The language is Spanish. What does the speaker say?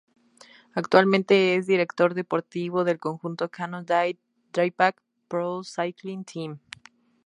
Actualmente es director deportivo del conjunto Cannondale-Drapac Pro Cycling Team.